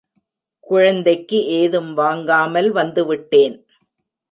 குழந்தைக்கு ஏதும் வாங்காமல் வந்து விட்டேன்.